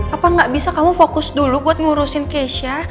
apa nggak bisa kamu fokus dulu buat ngurusin keisha